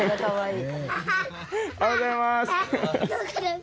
おはようございます。